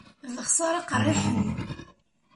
D lexsara qerriḥen.